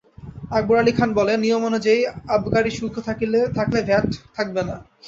আকবর আলি খান বলেন, নিয়মানুযায়ী আবগারি শুল্ক থাকলে ভ্যাট থাকবে না।